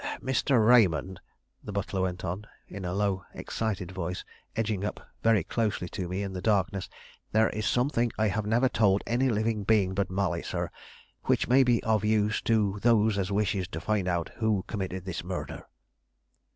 "Mr. Raymond," the butler went on, in a low, excited voice, edging up very closely to me in the darkness. "There is something I have never told any living being but Molly, sir, which may be of use to those as wishes to find out who committed this murder."